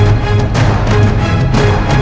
aku sudah berhenti